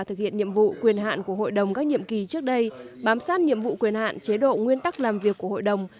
thực hiện nhiệm vụ quyền hạn của hội đồng các nhiệm kỳ trước đây bám sát nhiệm vụ quyền hạn chế độ nguyên tắc làm việc của hội đồng